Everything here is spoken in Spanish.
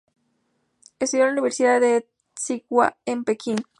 Estudió en la Universidad de Tsinghua en Pekín.